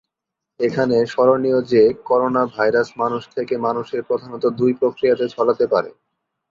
এখানে স্মরণীয় যে, করোনাভাইরাস মানুষ-থেকে-মানুষে প্রধানত দুই প্রক্রিয়াতে ছড়াতে পারে।